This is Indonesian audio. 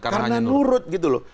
karena nurut gitu loh